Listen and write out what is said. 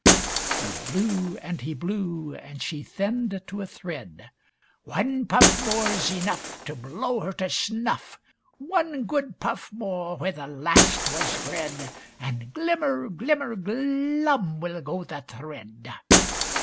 He blew and he blew, and she thinned to a thread. "One puff More's enough To blow her to snuff! One good puff more where the last was bred, And glimmer, glimmer, glum will go the thread!"